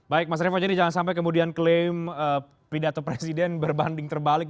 baik mas revo jadi jangan sampai kemudian klaim pidato presiden berbanding terbalik